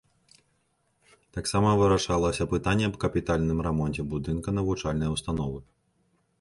Таксама вырашалася пытанне аб капітальным рамонце будынка навучальнай установы.